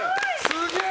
すげえ！